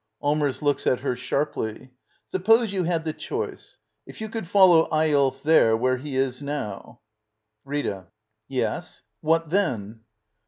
Allmers. [Looks at her sharply.] Suppose you had the choice — If you could follow Eyolf there, where he is now —? Rita. Yes? What then?